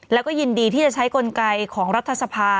แล้วก็ยินดีที่จะใช้กลไกของรัฐสภา